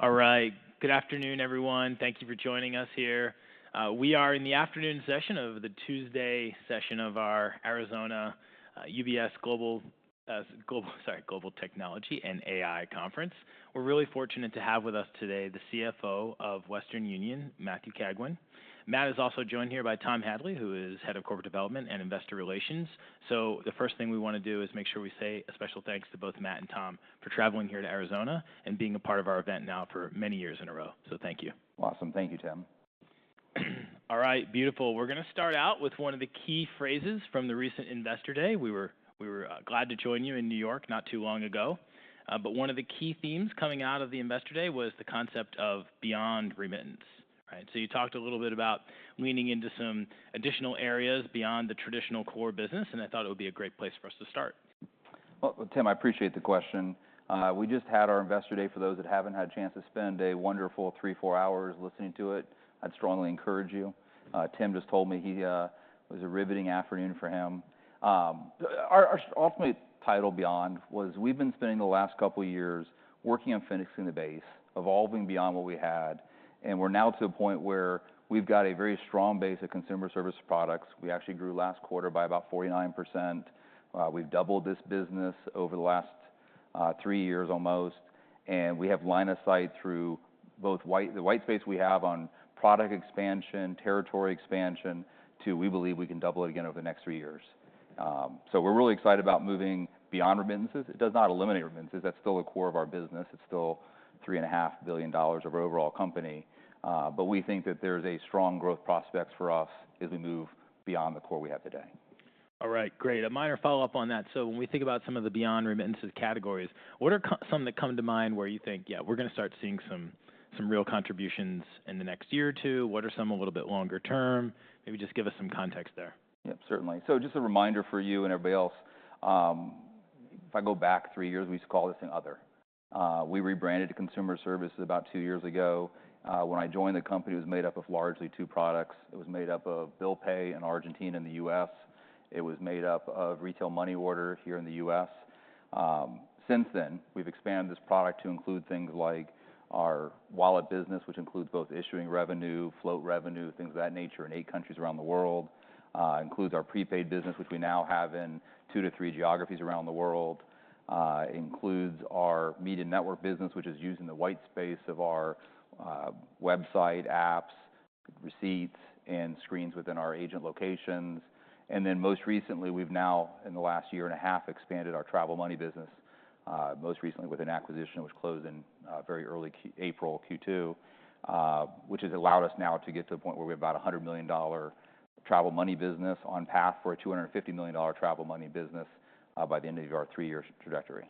All right. Good afternoon, everyone. Thank you for joining us here. We are in the afternoon session of the Tuesday session of our Arizona UBS Global, sorry, Global Technology and AI Conference. We're really fortunate to have with us today the CFO of Western Union, Matthew Cagwin. Matt is also joined here by Tom Hadley, who is head of corporate development and investor relations. So the first thing we want to do is make sure we say a special thanks to both Matt and Tom for traveling here to Arizona and being a part of our event now for many years in a row. So thank you. Awesome. Thank you, Tim. All right. Beautiful. We're going to start out with one of the key phrases from the recent Investor Day. We were glad to join you in New York not too long ago, but one of the key themes coming out of the Investor Day was the concept of beyond remittance. So you talked a little bit about leaning into some additional areas beyond the traditional core business, and I thought it would be a great place for us to start. Tim, I appreciate the question. We just had our Investor Day. For those that haven't had a chance to spend a wonderful three, four hours listening to it, I'd strongly encourage you. Tim just told me it was a riveting afternoon for him. Our ultimate title beyond was we've been spending the last couple of years working on finishing the base, evolving beyond what we had. We're now to a point where we've got a very strong base of consumer service products. We actually grew last quarter by about 49%. We've doubled this business over the last three years almost. We have line of sight through both the white space we have on product expansion, territory expansion, to we believe we can double it again over the next three years. We're really excited about moving beyond remittances. It does not eliminate remittances. That's still a core of our business. It's still $3.5 billion of our overall company. But we think that there's a strong growth prospect for us as we move beyond the core we have today. All right. Great. A minor follow-up on that. So when we think about some of the beyond remittances categories, what are some that come to mind where you think, yeah, we're going to start seeing some real contributions in the next year or two? What are some a little bit longer term? Maybe just give us some context there. Yep, certainly. Just a reminder for you and everybody else: if I go back three years, we used to call this another. We rebranded to Consumer Services about two years ago. When I joined the company, it was made up of largely two products. It was made up of Bill Pay in Argentina and the U.S. It was made up of Retail Money Order here in the U.S. Since then, we've expanded this product to include things like our wallet business, which includes both issuing revenue, float revenue, things of that nature in eight countries around the world. It includes our prepaid business, which we now have in two to three geographies around the world. It includes our Media Network business, which is using the white space of our website, apps, receipts, and screens within our agent locations. And then most recently, we've now, in the last year and a half, expanded our Travel Money business, most recently with an acquisition that was closed in very early April, Q2, which has allowed us now to get to the point where we have about a $100 million Travel Money business on path for a $250 million Travel Money business by the end of our three-year trajectory.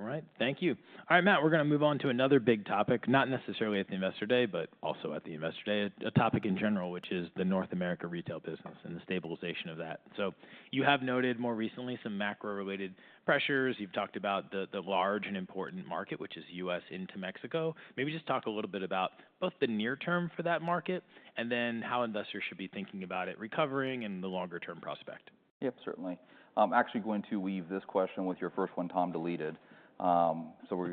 All right. Thank you. All right, Matt, we're going to move on to another big topic, not necessarily at the Investor Day, but also at the Investor Day, a topic in general, which is the North America retail business and the stabilization of that. So you have noted more recently some macro-related pressures. You've talked about the large and important market, which is U.S. into Mexico. Maybe just talk a little bit about both the near term for that market and then how investors should be thinking about it recovering and the longer-term prospect. Yep, certainly. I'm actually going to weave this question with your first one, Tom. So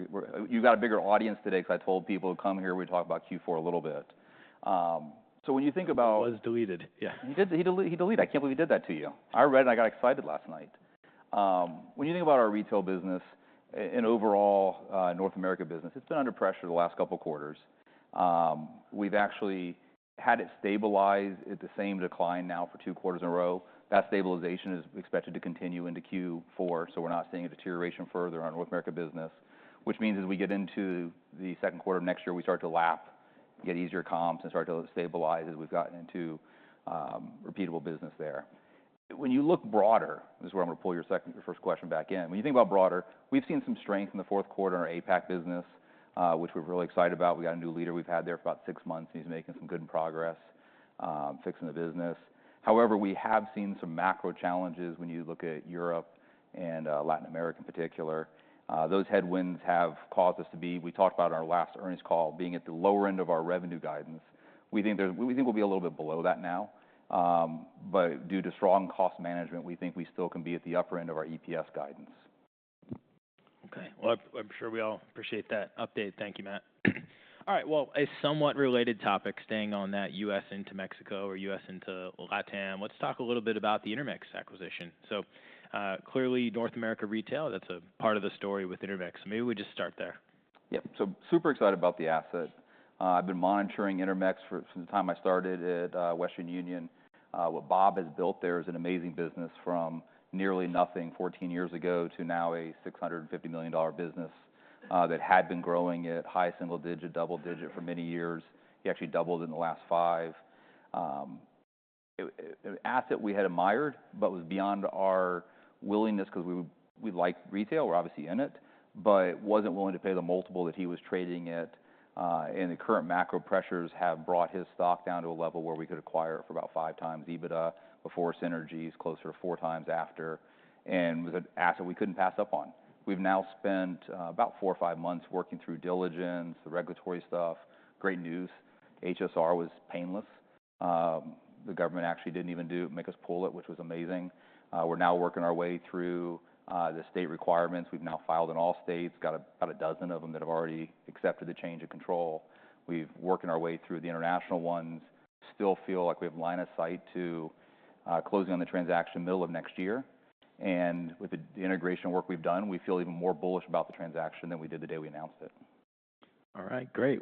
you've got a bigger audience today because I told people to come here. We talked about Q4 a little bit. So when you think about. It was deleted. Yeah. He deleted. I can't believe he did that to you. I read it and I got excited last night. When you think about our retail business and overall North America business, it's been under pressure the last couple of quarters. We've actually had it stabilize at the same decline now for two quarters in a row. That stabilization is expected to continue into Q4. So we're not seeing a deterioration further on North America business, which means as we get into the second quarter of next year, we start to lap, get easier comps, and start to stabilize as we've gotten into repeatable business there. When you look broader, this is where I'm going to pull your first question back in. When you think about broader, we've seen some strength in the fourth quarter in our APAC business, which we're really excited about. We got a new leader we've had there for about six months, and he's making some good progress fixing the business. However, we have seen some macro challenges when you look at Europe and Latin America in particular. Those headwinds have caused us to be, we talked about in our last earnings call, being at the lower end of our revenue guidance. We think we'll be a little bit below that now. But due to strong cost management, we think we still can be at the upper end of our EPS guidance. Okay. Well, I'm sure we all appreciate that update. Thank you, Matt. All right. Well, a somewhat related topic, staying on that U.S. into Mexico or U.S. into LATAM, let's talk a little bit about the Intermex acquisition. So clearly, North America retail, that's a part of the story with Intermex. Maybe we just start there. Yep. So super excited about the asset. I've been monitoring Intermex since the time I started at Western Union. What Bob has built there is an amazing business from nearly nothing 14 years ago to now a $650 million business that had been growing at high single-digit, double-digit for many years. He actually doubled in the last five. An asset we had admired, but was beyond our willingness because we like retail. We're obviously in it, but wasn't willing to pay the multiple that he was trading at. And the current macro pressures have brought his stock down to a level where we could acquire it for about five times EBITDA before synergies, closer to four times after, and was an asset we couldn't pass up on. We've now spent about four or five months working through diligence, the regulatory stuff. Great news. HSR was painless. The government actually didn't even make us pull it, which was amazing. We're now working our way through the state requirements. We've now filed in all states, got about a dozen of them that have already accepted the change of control. We've been working our way through the international ones. Still feel like we have line of sight to closing on the transaction middle of next year, and with the integration work we've done, we feel even more bullish about the transaction than we did the day we announced it. All right. Great.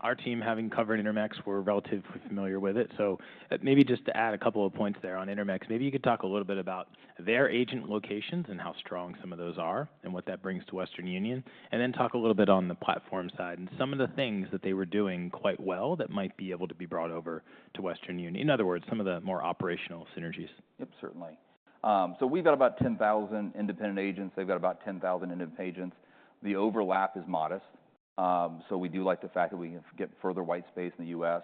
Our team having covered Intermex, we're relatively familiar with it, so maybe just to add a couple of points there on Intermex, maybe you could talk a little bit about their agent locations and how strong some of those are and what that brings to Western Union, and then talk a little bit on the platform side and some of the things that they were doing quite well that might be able to be brought over to Western Union. In other words, some of the more operational synergies. Yep, certainly. So we've got about 10,000 independent agents. They've got about 10,000 independent agents. The overlap is modest. So we do like the fact that we can get further white space in the U.S.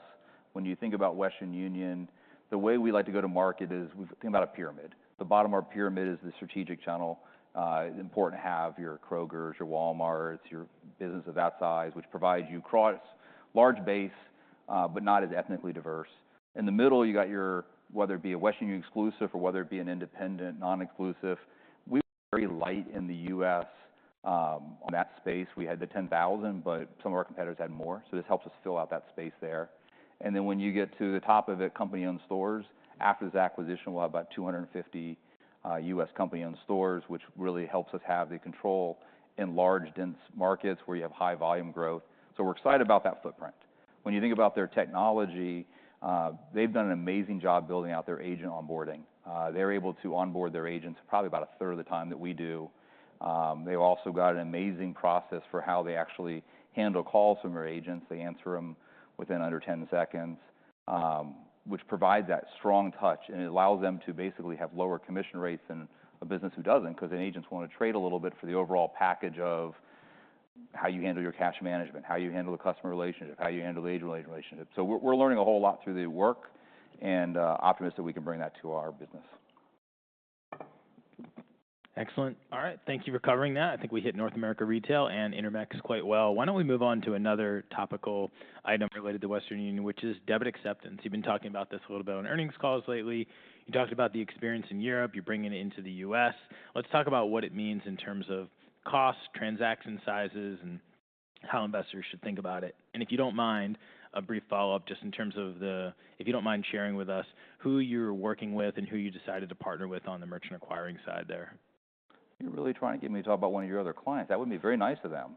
When you think about Western Union, the way we like to go to market is we think about a pyramid. The bottom of our pyramid is the strategic channel. It's important to have your Krogers, your Walmarts, your business of that size, which provides you across a large base, but not as ethnically diverse. In the middle, you've got your, whether it be a Western Union exclusive or whether it be an independent non-exclusive. We're very light in the U.S. on that space. We had the 10,000, but some of our competitors had more. So this helps us fill out that space there. And then when you get to the top of it, company-owned stores, after this acquisition, we'll have about 250 U.S. company-owned stores, which really helps us have the control in large, dense markets where you have high volume growth. So we're excited about that footprint. When you think about their technology, they've done an amazing job building out their agent onboarding. They're able to onboard their agents probably about a third of the time that we do. They've also got an amazing process for how they actually handle calls from their agents. They answer them within under 10 seconds, which provides that strong touch. and it allows them to basically have lower commission rates than a business who doesn't because then agents want to trade a little bit for the overall package of how you handle your cash management, how you handle the customer relationship, how you handle the agent relationship. so we're learning a whole lot through the work and optimistic that we can bring that to our business. Excellent. All right. Thank you for covering that. I think we hit North America retail and Intermex quite well. Why don't we move on to another topical item related to Western Union, which is debit acceptance. You've been talking about this a little bit on earnings calls lately. You talked about the experience in Europe. You're bringing it into the U.S.. Let's talk about what it means in terms of costs, transaction sizes, and how investors should think about it. And if you don't mind, a brief follow-up just in terms of sharing with us who you're working with and who you decided to partner with on the merchant acquiring side there. You're really trying to get me to talk about one of your other clients. That wouldn't be very nice of them.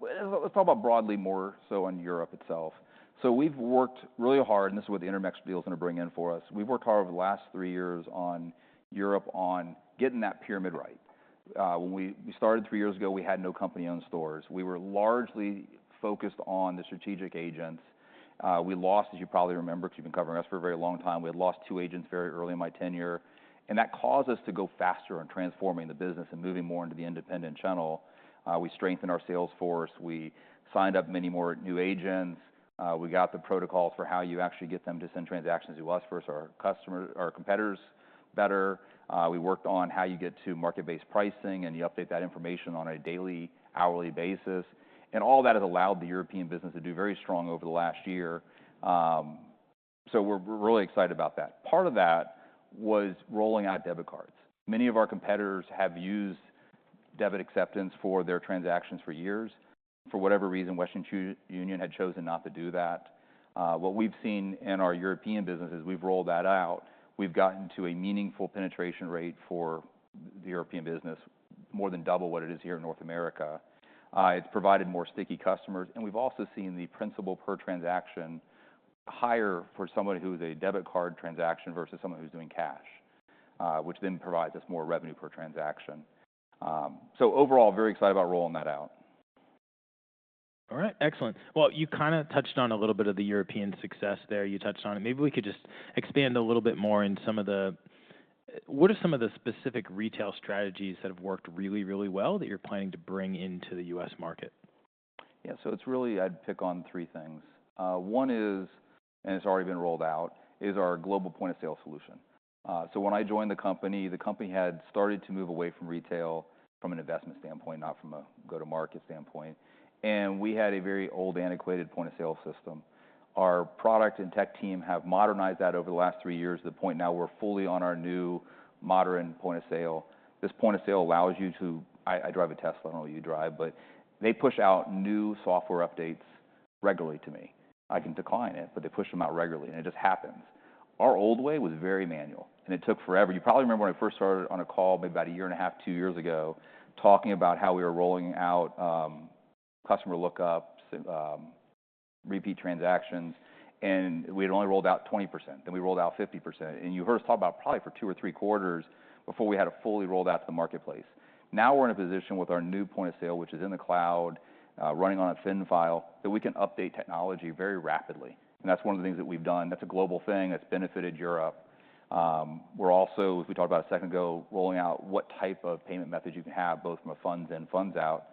Let's talk about broadly more so on Europe itself. So we've worked really hard, and this is what the Intermex deal is going to bring in for us. We've worked hard over the last three years on Europe on getting that pyramid right. When we started three years ago, we had no company-owned stores. We were largely focused on the strategic agents. We lost, as you probably remember, because you've been covering us for a very long time, we had lost two agents very early in my tenure. That caused us to go faster in transforming the business and moving more into the independent channel. We strengthened our sales force. We signed up many more new agents. We got the protocols for how you actually get them to send transactions to us versus our competitors better. We worked on how you get to market-based pricing and you update that information on a daily, hourly basis. And all that has allowed the European business to do very strong over the last year. So we're really excited about that. Part of that was rolling out debit cards. Many of our competitors have used debit acceptance for their transactions for years. For whatever reason, Western Union had chosen not to do that. What we've seen in our European business is we've rolled that out. We've gotten to a meaningful penetration rate for the European business, more than double what it is here in North America. It's provided more sticky customers. We've also seen the principal per transaction higher for someone who's a debit card transaction versus someone who's doing cash, which then provides us more revenue per transaction. Overall, very excited about rolling that out. All right. Excellent. Well, you kind of touched on a little bit of the European success there. You touched on it. Maybe we could just expand a little bit more in some of the, what are some of the specific retail strategies that have worked really, really well that you're planning to bring into the U.S. market? Yeah. So it's really, I'd pick on three things. One is, and it's already been rolled out, is our global point of sale solution. So when I joined the company, the company had started to move away from retail from an investment standpoint, not from a go-to-market standpoint. And we had a very old antiquated point of sale system. Our product and tech team have modernized that over the last three years to the point now we're fully on our new modern point of sale. This point of sale allows you to, I drive a Tesla. I don't know what you drive, but they push out new software updates regularly to me. I can decline it, but they push them out regularly and it just happens. Our old way was very manual, and it took forever. You probably remember when I first started on a call maybe about a year and a half, two years ago, talking about how we were rolling out customer lookups, repeat transactions, and we had only rolled out 20%. Then we rolled out 50%, and you heard us talk about probably for two or three quarters before we had a fully rolled out to the marketplace. Now we're in a position with our new point of sale system, which is in the cloud, running on a thin client, that we can update technology very rapidly, and that's one of the things that we've done. That's a global thing that's benefited Europe. We're also, as we talked about a second ago, rolling out what type of payment method you can have, both from a funds in, funds out,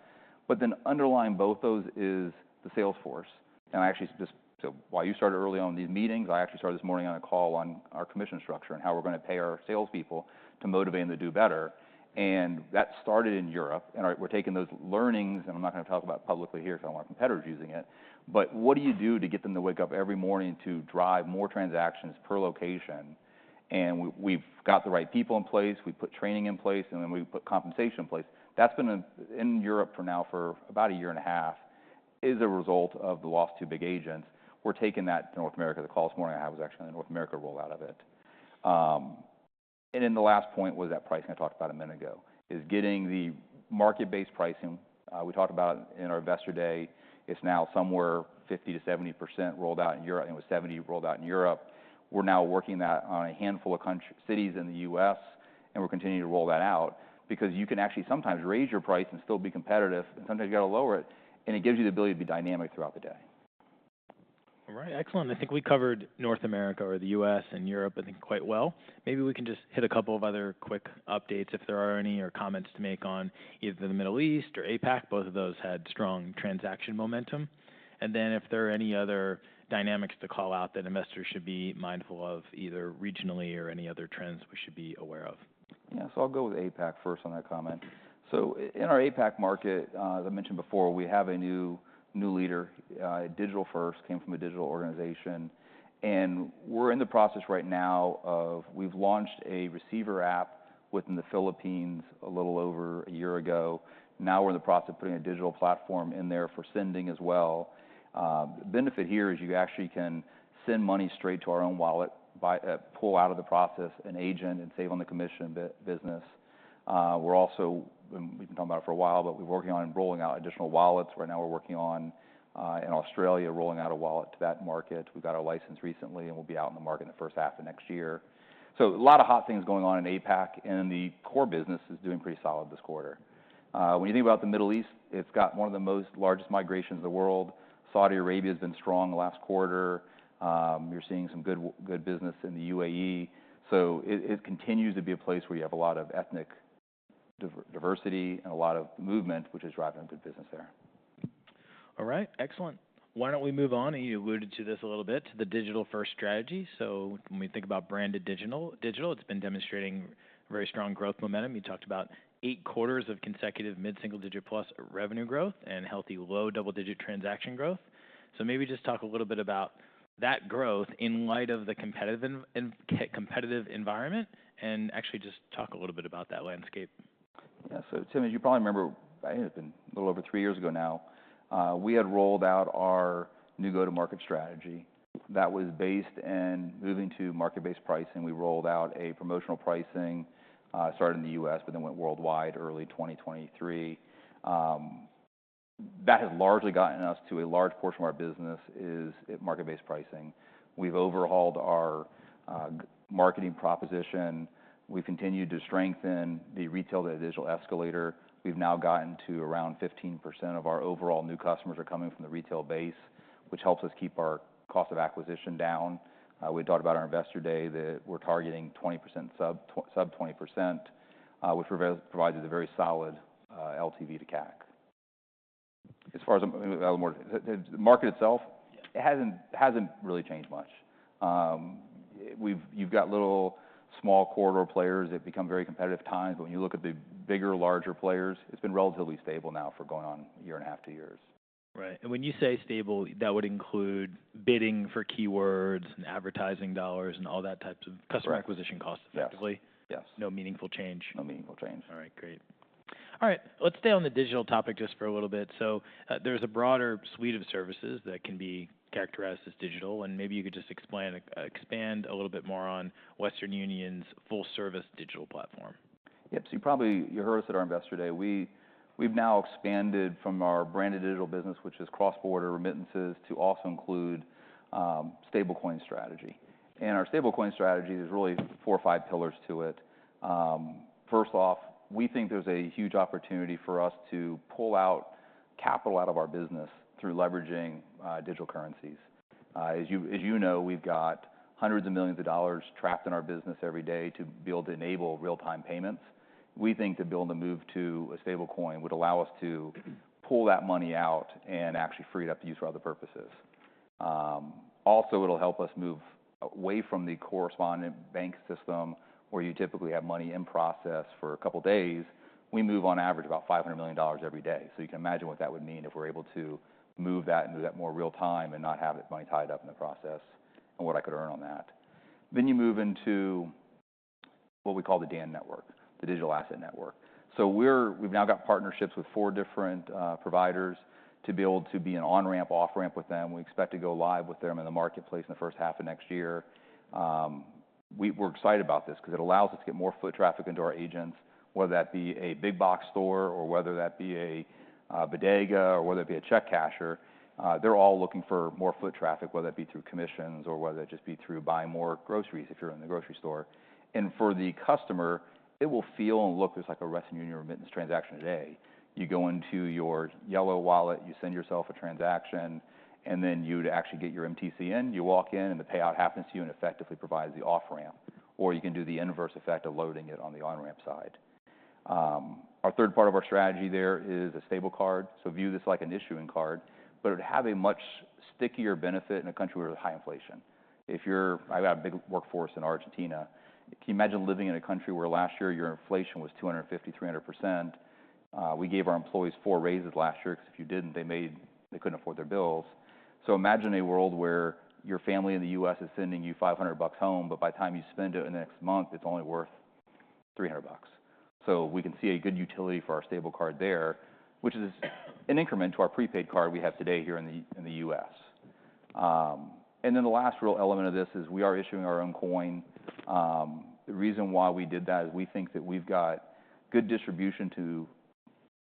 but then underlying both those is the sales force. And I actually just, so while you started early on in these meetings, I actually started this morning on a call on our commission structure and how we're going to pay our salespeople to motivate them to do better. And that started in Europe. And we're taking those learnings, and I'm not going to talk about publicly here because I don't want competitors using it, but what do you do to get them to wake up every morning to drive more transactions per location? And we've got the right people in place. We put training in place, and then we put compensation in place. That's been in Europe for now for about a year and a half as a result of the loss to big agents. We're taking that to North America. The call this morning I had was actually on the North America rollout of it. Then the last point was that pricing I talked about a minute ago is getting the market-based pricing. We talked about it in our investor day. It's now somewhere 50%-70% rolled out in Europe. It was 70% rolled out in Europe. We're now working that on a handful of cities in the U.S., and we're continuing to roll that out because you can actually sometimes raise your price and still be competitive, and sometimes you've got to lower it. It gives you the ability to be dynamic throughout the day. All right. Excellent. I think we covered North America or the U.S. and Europe, I think, quite well. Maybe we can just hit a couple of other quick updates if there are any or comments to make on either the Middle East or APAC. Both of those had strong transaction momentum. And then if there are any other dynamics to call out that investors should be mindful of, either regionally or any other trends we should be aware of. Yeah. So I'll go with APAC first on that comment. So in our APAC market, as I mentioned before, we have a new leader. DigitalFirst came from a digital organization. And we're in the process right now of, we've launched a receiver app within the Philippines a little over a year ago. Now we're in the process of putting a digital platform in there for sending as well. The benefit here is you actually can send money straight to our own wallet, pull out of the process an agent and save on the commission business. We're also, we've been talking about it for a while, but we're working on rolling out additional wallets. Right now we're working on, in Australia, rolling out a wallet to that market. We've got our license recently, and we'll be out in the market in the first half of next year. So a lot of hot things going on in APAC, and the core business is doing pretty solid this quarter. When you think about the Middle East, it's got one of the most largest migrations in the world. Saudi Arabia has been strong the last quarter. You're seeing some good business in the UAE. So it continues to be a place where you have a lot of ethnic diversity and a lot of movement, which is driving good business there. All right. Excellent. Why don't we move on? You alluded to this a little bit, to the digital-first strategy. So when we think about branded digital, it's been demonstrating very strong growth momentum. You talked about eight quarters of consecutive mid-single-digit plus revenue growth and healthy low double-digit transaction growth. So maybe just talk a little bit about that growth in light of the competitive environment and actually just talk a little bit about that landscape. Yeah. So Tim, as you probably remember, it's been a little over three years ago now. We had rolled out our new go-to-market strategy that was based in moving to market-based pricing. We rolled out a promotional pricing, started in the US, but then went worldwide early 2023. That has largely gotten us to a large portion of our business is market-based pricing. We've overhauled our marketing proposition. We've continued to strengthen the retail to digital escalator. We've now gotten to around 15% of our overall new customers are coming from the retail base, which helps us keep our cost of acquisition down. We talked about our investor day that we're targeting 20%, sub 20%, which provides a very solid LTV to CAC. As far as the market itself, it hasn't really changed much. You've got little small corridor players that become very competitive at times, but when you look at the bigger, larger players, it's been relatively stable now for going on a year and a half to years. Right. And when you say stable, that would include bidding for keywords and advertising dollars and all that types of customer acquisition costs effectively? Yes. No meaningful change. No meaningful change. All right. Great. All right. Let's stay on the digital topic just for a little bit. So there's a broader suite of services that can be characterized as digital, and maybe you could just expand a little bit more on Western Union's full-service digital platform. Yep, so you probably heard us at our Investor Day. We've now expanded from our Branded Digital Business, which is cross-border remittances, to also include stablecoin strategy, and our stablecoin strategy is really four or five pillars to it. First off, we think there's a huge opportunity for us to pull out capital out of our business through leveraging digital currencies. As you know, we've got hundreds of millions of dollars trapped in our business every day to be able to enable real-time payments. We think that being able to move to a stablecoin would allow us to pull that money out and actually free it up to use for other purposes. Also, it'll help us move away from the correspondent bank system where you typically have money in process for a couple of days. We move on average about 500 million dollars every day. So you can imagine what that would mean if we're able to move that and move that more real-time and not have that money tied up in the process and what I could earn on that. Then you move into what we call the DAN network, the Digital Asset Network. So we've now got partnerships with four different providers to be able to be an on-ramp, off-ramp with them. We expect to go live with them in the marketplace in the first half of next year. We're excited about this because it allows us to get more foot traffic into our agents, whether that be a big box store or whether that be a bodega or whether it be a check casher. They're all looking for more foot traffic, whether that be through commissions or whether that just be through buying more groceries if you're in the grocery store. For the customer, it will feel and look just like a Western Union remittance transaction today. You go into your Yellow Wallet, you send yourself a transaction, and then you'd actually get your MTC in. You walk in and the payout happens to you and effectively provides the off-ramp. Or you can do the inverse effect of loading it on the on-ramp side. Our third part of our strategy there is a Stable Card. So view this like an issuing card, but it would have a much stickier benefit in a country where there's high inflation. If you're, I've got a big workforce in Argentina. Can you imagine living in a country where last year your inflation was 250%-300%? We gave our employees four raises last year because if you didn't, they couldn't afford their bills. So imagine a world where your family in the U.S. is sending you $500 home, but by the time you spend it in the next month, it's only worth $300. So we can see a good utility for our stable card there, which is an increment to our prepaid card we have today here in the U.S. And then the last real element of this is we are issuing our own coin. The reason why we did that is we think that we've got good distribution to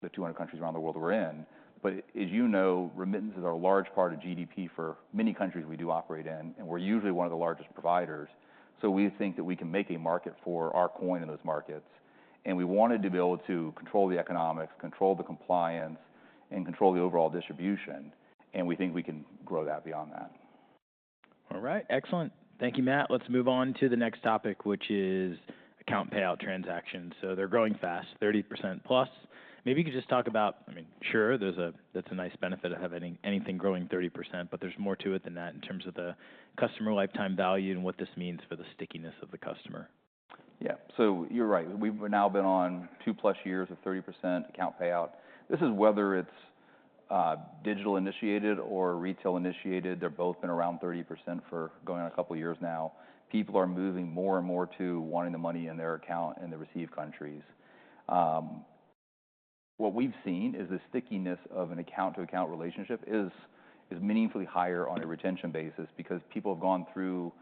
the 200 countries around the world we're in. But as you know, remittances are a large part of GDP for many countries we do operate in, and we're usually one of the largest providers. So we think that we can make a market for our coin in those markets. We wanted to be able to control the economics, control the compliance, and control the overall distribution. We think we can grow that beyond that. All right. Excellent. Thank you, Matt. Let's move on to the next topic, which is account payout transactions. So they're growing fast, 30% plus. Maybe you could just talk about, I mean, sure, that's a nice benefit of having anything growing 30%, but there's more to it than that in terms of the customer lifetime value and what this means for the stickiness of the customer. Yeah. So you're right. We've now been on two-plus years of 30% account payout. This is whether it's digital-initiated or retail-initiated. They've both been around 30% for going on a couple of years now. People are moving more and more to wanting the money in their account in the received countries. What we've seen is the stickiness of an account-to-account relationship is meaningfully higher on a retention basis because people have gone through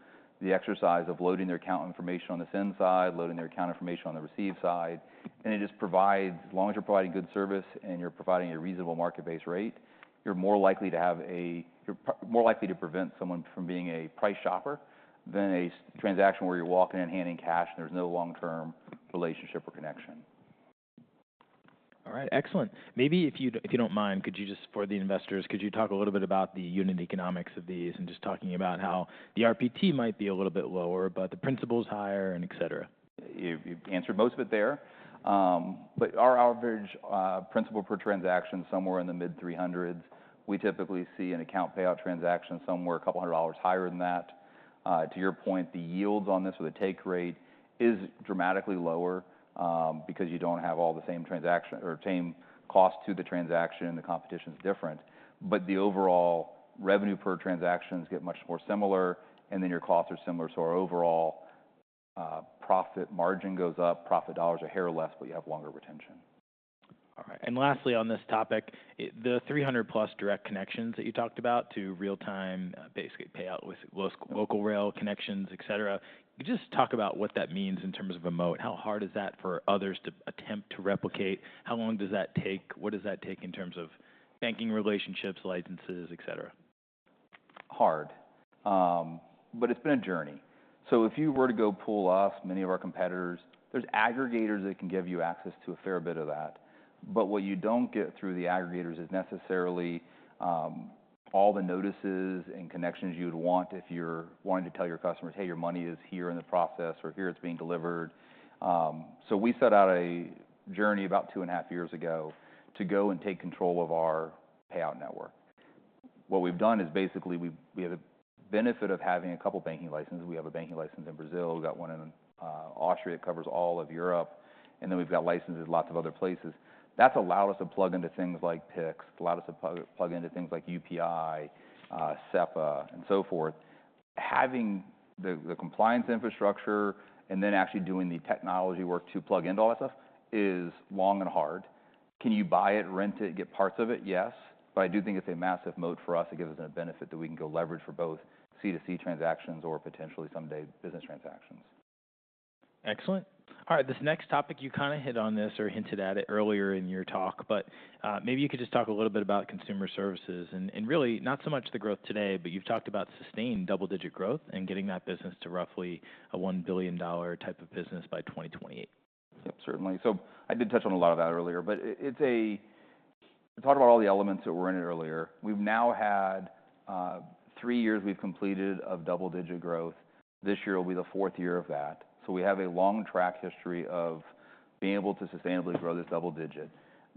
the exercise of loading their account information on the send side, loading their account information on the receive side. And it just provides, as long as you're providing good service and you're providing a reasonable market-based rate, you're more likely to have a, you're more likely to prevent someone from being a price shopper than a transaction where you're walking in handing cash and there's no long-term relationship or connection. All right. Excellent. Maybe if you don't mind, could you just, for the investors, could you talk a little bit about the unit economics of these and just talking about how the RPT might be a little bit lower, but the principles higher, and etc.? You've answered most of it there. But our average principal per transaction is somewhere in the mid-300s. We typically see an account payout transaction somewhere a couple hundred dollars higher than that. To your point, the yields on this with a take rate is dramatically lower because you don't have all the same transaction or same cost to the transaction. The competition is different. But the overall revenue per transactions get much more similar, and then your costs are similar. So our overall profit margin goes up, profit dollars a hair less, but you have longer retention. All right. And lastly on this topic, the 300-plus direct connections that you talked about to real-time, basically, payout with local rail connections, etc., just talk about what that means in terms of a moat. How hard is that for others to attempt to replicate? How long does that take? What does that take in terms of banking relationships, licenses, etc.? Hard. But it's been a journey. So if you were to go pool us, many of our competitors, there's aggregators that can give you access to a fair bit of that. But what you don't get through the aggregators is necessarily all the notices and connections you would want if you're wanting to tell your customers, "Hey, your money is here in the process," or, "Here, it's being delivered." So we set out a journey about two and a half years ago to go and take control of our payout network. What we've done is basically we have the benefit of having a couple of banking licenses. We have a banking license in Brazil. We've got one in Austria that covers all of Europe. And then we've got licenses in lots of other places. That's allowed us to plug into things like PIX, allowed us to plug into things like UPI, SEPA, and so forth. Having the compliance infrastructure and then actually doing the technology work to plug into all that stuff is long and hard. Can you buy it, rent it, get parts of it? Yes. But I do think it's a massive moat for us to give us a benefit that we can go leverage for both C2C transactions or potentially someday business transactions. Excellent. All right. This next topic, you kind of hit on this or hinted at it earlier in your talk, but maybe you could just talk a little bit about Consumer Services. And really, not so much the growth today, but you've talked about sustained double-digit growth and getting that business to roughly a $1 billion type of business by 2028. Yep, certainly. So I did touch on a lot of that earlier, but it's, we talked about all the elements that were in it earlier. We've now had three years we've completed of double-digit growth. This year will be the fourth year of that. So we have a long track history of being able to sustainably grow this double-digit.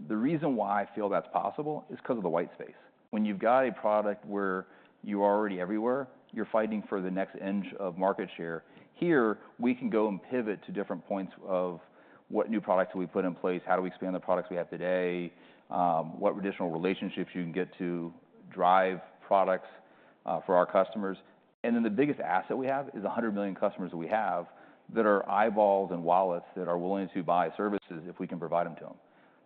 The reason why I feel that's possible is because of the white space. When you've got a product where you're already everywhere, you're fighting for the next inch of market share. Here, we can go and pivot to different points of what new products do we put in place, how do we expand the products we have today, what additional relationships you can get to drive products for our customers. And then the biggest asset we have is 100 million customers that we have that are eyeballs and wallets that are willing to buy services if we can provide them to them.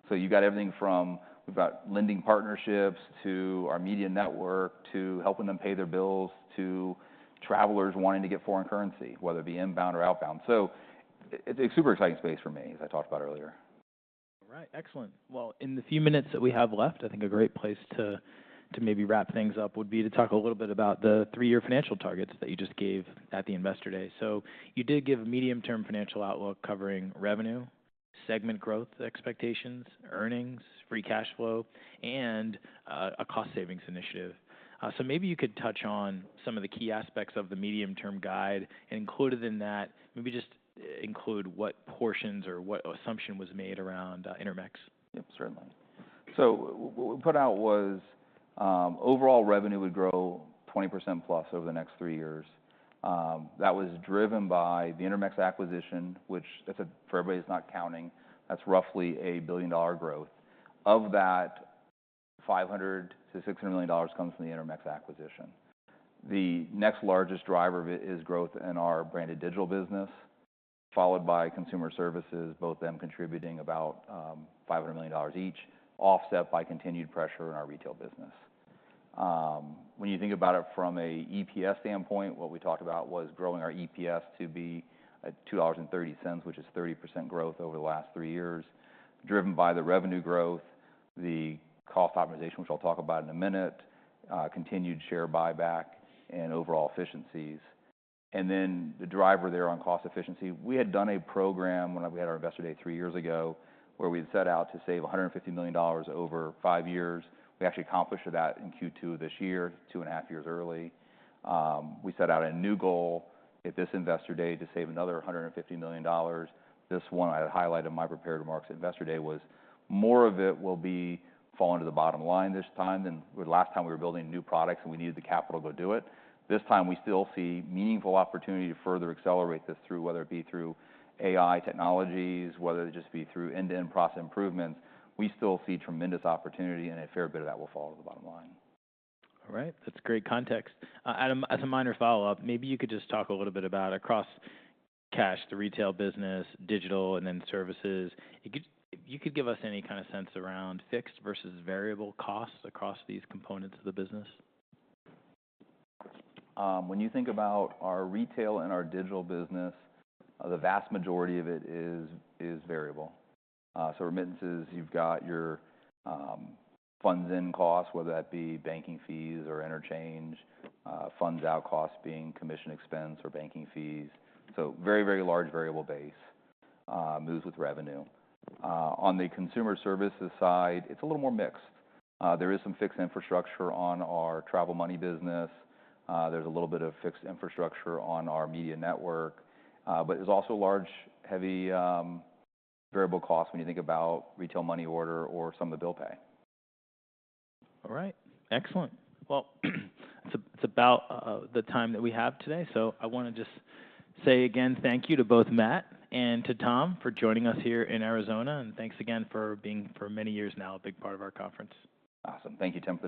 So you've got everything from we've got lending partnerships to our media network to helping them pay their bills to travelers wanting to get foreign currency, whether it be inbound or outbound. So it's a super exciting space for me, as I talked about earlier. All right. Excellent. In the few minutes that we have left, I think a great place to maybe wrap things up would be to talk a little bit about the three-year financial targets that you just gave at the Investor Day. You did give a medium-term financial outlook covering revenue, segment growth expectations, earnings, free cash flow, and a cost savings initiative. Maybe you could touch on some of the key aspects of the medium-term guide and included in that, maybe just include what portions or what assumption was made around Intermex. Yep, certainly. So what we put out was overall revenue would grow 20% plus over the next three years. That was driven by the Intermex acquisition, which for everybody that's not counting, that's roughly a $1 billion growth. Of that, $500-$600 million comes from the Intermex acquisition. The next largest driver of it is growth in our branded digital business, followed by consumer services, both of them contributing about $500 million each, offset by continued pressure in our retail business. When you think about it from an EPS standpoint, what we talked about was growing our EPS to be $2.30, which is 30% growth over the last three years, driven by the revenue growth, the cost optimization, which I'll talk about in a minute, continued share buyback, and overall efficiencies. And then, the driver there on cost efficiency, we had done a program when we had our investor day three years ago where we had set out to save $150 million over five years. We actually accomplished that in Q2 of this year, two and a half years early. We set out a new goal at this investor day to save another $150 million. This one I had highlighted in my prepared remarks at investor day was more of it will be falling to the bottom line this time than last time we were building new products and we needed the capital to go do it. This time we still see meaningful opportunity to further accelerate this through, whether it be through AI technologies, whether it just be through end-to-end process improvements. We still see tremendous opportunity and a fair bit of that will fall to the bottom line. All right. That's great context. Adam, as a minor follow-up, maybe you could just talk a little bit about across cash, the retail business, digital, and then services. You could give us any kind of sense around fixed versus variable costs across these components of the business. When you think about our retail and our digital business, the vast majority of it is variable. So remittances, you've got your funds-in costs, whether that be banking fees or interchange, funds-out costs being commission expense or banking fees. So very, very large variable base moves with revenue. On the consumer services side, it's a little more mixed. There is some fixed infrastructure on our Travel Money business. There's a little bit of fixed infrastructure on our Media Network, but there's also large heavy variable costs when you think about Retail Money Order or some of the Bill Pay. All right. Excellent. Well, it's about the time that we have today. So I want to just say again, thank you to both Matt and to Tom for joining us here in Arizona, and thanks again for being for many years now a big part of our conference. Awesome. Thank you, Tim.